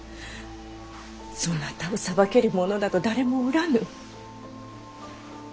そなたを裁ける者など誰もおらぬ。